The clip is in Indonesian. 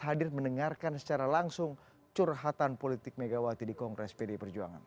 hadir mendengarkan secara langsung curhatan politik megawati di kongres pdi perjuangan